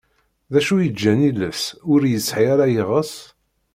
D acu yeǧǧan iles ur yesɛi ara iɣes?